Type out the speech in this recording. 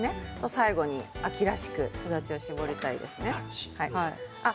最後に秋らしくすだちを搾りたいですね。